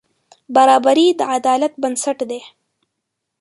برابري د عدالت بنسټ دی.